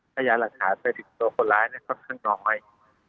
ประหยัดหลักษณะไปถึงตัวคนร้ายเนี่ยค่อนข้างน้อย